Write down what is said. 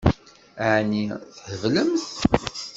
Ɛni theblemt?